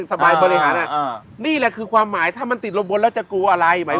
สบายบริหารนี่แหละคือความหมายถ้ามันติดลมบนแล้วจะกลัวอะไร